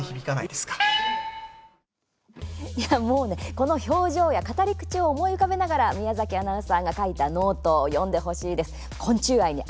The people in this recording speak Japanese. この表情や語り口を思い浮かべながら宮崎アナウンサーが書いたｎｏｔｅの記事を読んでほしいと思います。